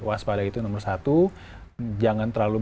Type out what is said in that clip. waspada itu nomor satu jangan terlalu